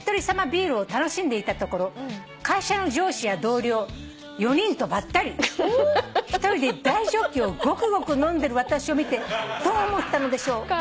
ビールを楽しんでいたところ会社の上司や同僚４人とばったり」「１人で大ジョッキをゴクゴク飲んでる私を見てどう思ったのでしょう」